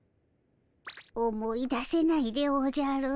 思い出せないでおじゃる。